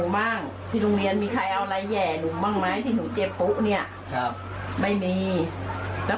ยังก็แปลกใจยังถามอีกก็ลอกถามอีกว่า